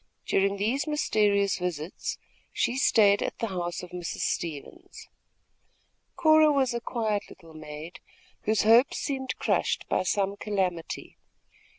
During these mysterious visits, she stayed at the house of Mrs. Stevens. Cora was a quiet little maid, whose hopes seemed crushed by some calamity.